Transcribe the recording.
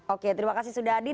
oke terima kasih sudah hadir